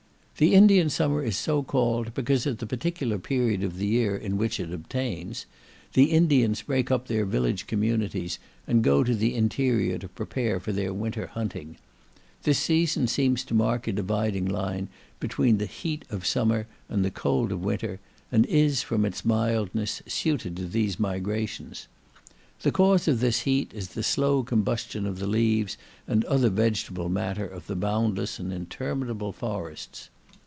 "The Indian summer is so called because, at the particular period of the year in which it obtains, the Indians break up their village communities, and go to the interior to prepare for their winter hunting. This season seems to mark a dividing line, between the heat of summer, and the cold of winter, and is, from its mildness, suited to these migrations. The cause of this heat is the slow combustion of the leaves and other vegetable matter of the boundless and interminable forests.